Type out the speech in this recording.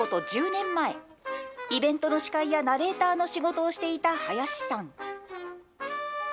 １０年前、イベントの司会やナレーターの仕事をしていた林さん。